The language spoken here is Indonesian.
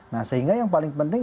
nah sehingga yang paling penting